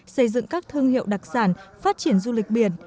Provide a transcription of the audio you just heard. xây dựng các thương hiệu đặc sản phát triển du lịch biển